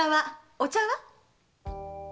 お茶は？